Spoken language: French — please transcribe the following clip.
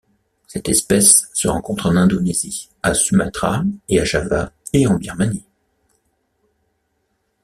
Cette espèce se rencontre en Indonésie à Sumatra et à Java et en Birmanie.